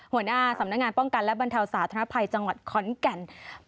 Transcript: หัวหน้าสำนักงานป้องกันและบรรเทาสาธารณภัยจังหวัดขอนแก่น